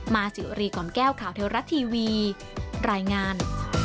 สิวรีกล่อมแก้วข่าวเทวรัฐทีวีรายงาน